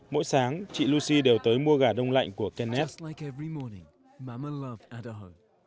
mỗi sáng chị lucy đều tới mua gà đông lạnh của kenneth